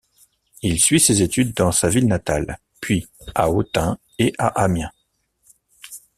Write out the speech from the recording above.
Il suit ses études dans sa ville natale, puis à Autun et à Amiens.